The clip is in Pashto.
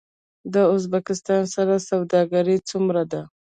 د ازبکستان سره سوداګري څومره ده؟